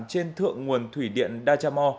trên thượng nguồn thủy điện dajamo